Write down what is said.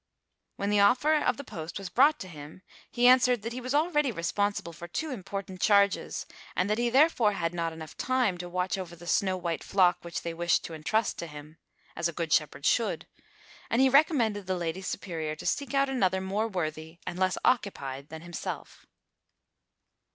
When the offer of the post was brought to him, he answered that he was already responsible for two important charges, and that he therefore had not enough time to watch over the snow white flock which they wished to entrust to him, as a good shepherd should, and he recommended the lady superior to seek out another more worthy and less occupied than himself.